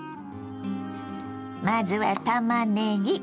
まずはたまねぎ。